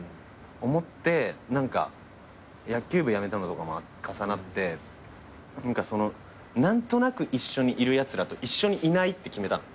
思って何か野球部やめたのとかも重なって何かその何となく一緒にいるやつらと一緒にいないって決めたの。